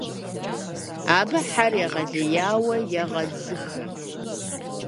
Абы хьэр егъэлеяуэ егъэдзыхэ.